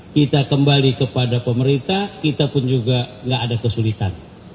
kita kembali kepada pemerintah kita pun juga tidak ada kesulitan